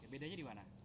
bedanya di mana